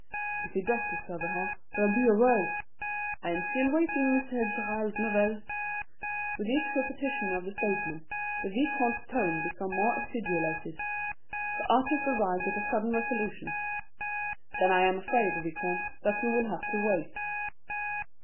"If he does discover her there'll be a row." "I still am waiting, Mr. Gerald Lovell." With each repetition of the statement the Vicomte's tone became more acidulated. The artist arrived at a sudden resolution. "Then I am afraid, Vicomte, that you will have to wait."